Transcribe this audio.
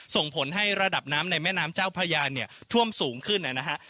ส่งผลให้ระดับน้ำในแม่น้ำเจ้าพระยาเนี่ยท่วมสูงขึ้นนะฮะ